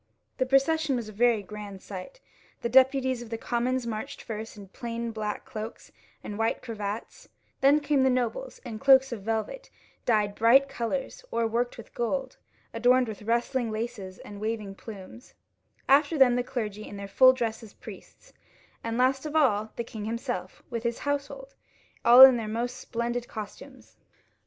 The procession was a very grand sight. Ihe deputies of the commons marched first in plain black cloaks and white cravats ; then came the nobles, in cloaks of velvet, dyed bright colours, or worked with gold, adorned with rustling laces and waving plumes ; after them the clergy in their full dress as priests ; and last of all the king himself, with his household all in their most splendid costumes.